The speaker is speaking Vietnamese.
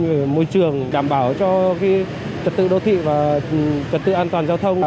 về môi trường đảm bảo cho trật tự đô thị và trật tự an toàn giao thông